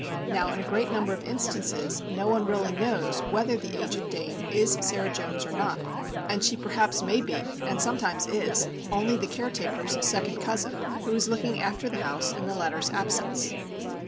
Now in a great number of instances no one really knows whether the aged dame is Sarah Jones or not; and she perhaps may be, and sometimes is, only the caretaker's second cousin, who is looking after the house in the latter's absence.